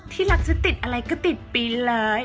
ที่รักจะติดอะไรก็ติดปีนเลย